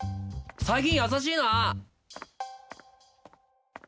最近優しいな。